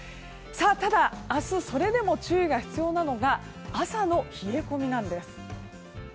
ただ、明日それでも注意が必要なのが朝の冷え込みなんです。